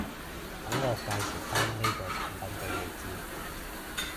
等我介紹返呢個產品畀你知